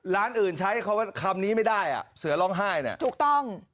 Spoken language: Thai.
ร้านอื่นใช้คำว่าคำนี้ไม่ได้อ่ะเสือร้องไห้เนี่ยถูกต้อง